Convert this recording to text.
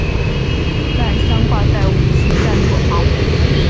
弹箱挂在武器站左侧。